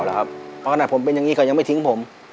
เพราะขณะผมเป็นอย่างนี้เขายังไม่ทิ้งผม